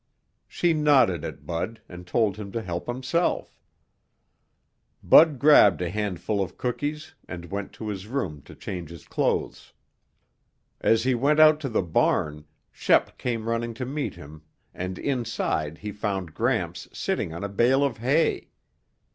She nodded at Bud and told him to help himself. Bud grabbed a handful of cookies and went to his room to change his clothes. As he went out to the barn, Shep came running to meet him and inside he found Gramps sitting on a bale of hay.